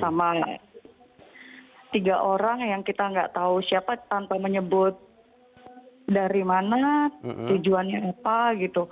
sama tiga orang yang kita nggak tahu siapa tanpa menyebut dari mana tujuannya apa gitu